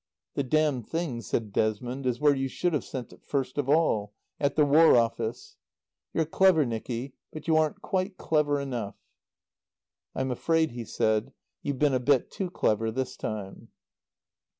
"The damned thing," said Desmond, "is where you should have sent it first of all at the War Office. You're clever, Nicky, but you aren't quite clever enough." "I'm afraid," he said, "you've been a bit too clever, this time."